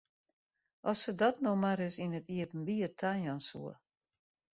As se dat no mar ris yn it iepenbier tajaan soe!